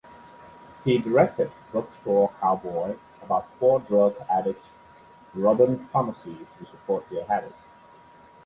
He directed "Drugstore Cowboy" about four drug addicts robbing pharmacies to support their habit.